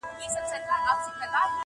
• زما زلمي کلونه انتظار انتظار وخوړل -